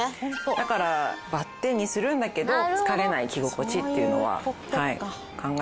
だからバッテンにするんだけど疲れない着心地っていうのは考えましたね。